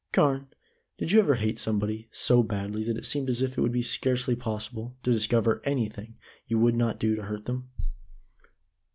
Carne, did you ever hate anybody so badly that it seemed as if it would be scarcely possible to discover anything you would not do to hurt them?"